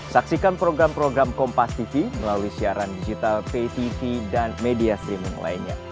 saksikan program program kompas tv melalui siaran digital pay tv dan media streaming lainnya